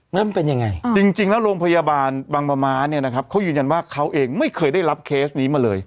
แล้วมันเป็นยังไงจริงแล้วโรงพยาบาลบางมะม้าเนี่ยนะครับเขายืนยันว่าเขาเองไม่เคยได้รับเคสนี้มาเลย